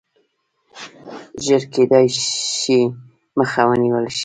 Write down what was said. ژر کېدلای شي مخه ونیوله شي.